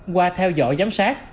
qua theo dõi giám sát